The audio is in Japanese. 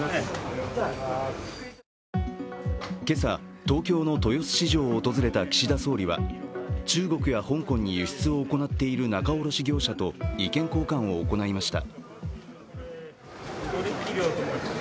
けさ、東京の豊洲市場を訪れた岸田総理は中国や香港に輸出を行っている仲卸業者と意見交換を行いました。